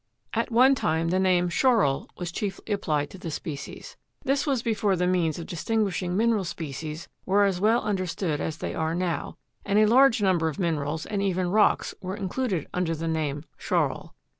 At one time the name Schorl was chiefly applied to the species. This was before the means of distinguishing mineral species were as well understood as they are now, and a large number of minerals and even rocks were included under the name Schorl.